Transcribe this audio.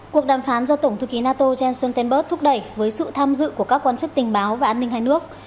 cuộc đàm phán do tổng thư ký nato jens stoltenberg thúc đẩy với sự tham dự của các quan chức tình báo và an ninh hai nước